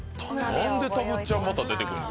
なんでたぶっちゃん、また出てくるの。